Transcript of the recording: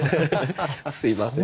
すいません。